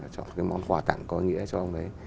chọn cái món quà tặng có nghĩa cho ông ấy